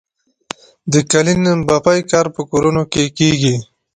د قالینبافۍ کار په کورونو کې کیږي؟